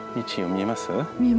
見えます。